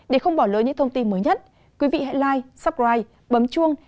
để không bỏ lỡ những thông tin mới nhất quý vị hãy like subscribe bấm chuông